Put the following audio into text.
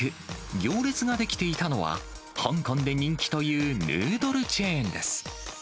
行列が出来ていたのは、香港で人気というヌードルチェーンです。